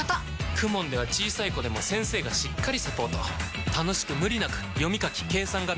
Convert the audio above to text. ＫＵＭＯＮ では小さい子でも先生がしっかりサポート楽しく無理なく読み書き計算が身につきます！